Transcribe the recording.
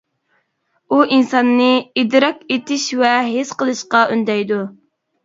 ئۇ ئىنساننى ئىدراك ئېتىش ۋە ھېس قىلىشقا ئۈندەيدۇ.